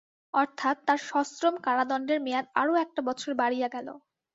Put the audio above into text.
অর্থাৎ, তার সশ্রম কারাদণ্ডের মেয়াদ আরো একটা বছর বাড়িয়া গেল।